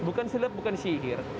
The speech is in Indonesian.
bukan silap bukan sihir